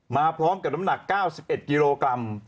มาพร้อมกับน้ำหนัก๙๑กิโลกรัม